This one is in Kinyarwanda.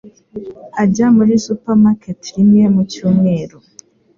Ajya muri supermarket rimwe mu cyumweru.